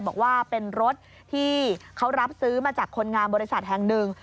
บอกว่าเป็นรถที่เขารับซื้อมาจากคนงานบริษัทแห่งหนึ่ง